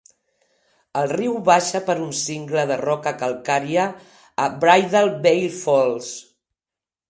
El riu baixa per un cingle de roca calcària a Bridal Veil Falls.